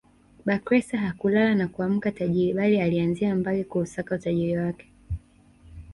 Bakhresa hakulala na kuamka tajiri bali alianzia mbali kuusaka utajiri wake